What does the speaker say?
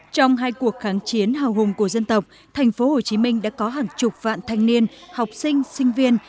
trong hai cuộc kháng chiến hào hùng của dân tộc tp hcm đã có hàng chục vạn thanh niên học sinh sinh viên